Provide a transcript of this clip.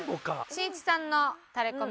しんいちさんのタレコミ